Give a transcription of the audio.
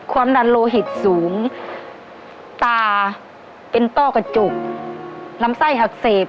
ความดันโลหิตสูงตาเป็นต้อกระจกลำไส้อักเสบ